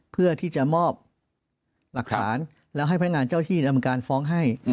เพื่อที่จะมอบหลักฐานแล้วให้พนักงานเจ้าที่ดำเนินการฟ้องให้